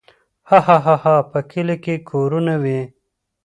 هاهاها په کلي کې کورونه وي.